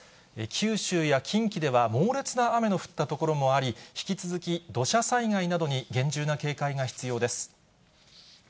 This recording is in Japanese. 九州や近畿では猛烈な雨の降った所もあり、引き続き土砂災害などに厳重な警戒が必要です。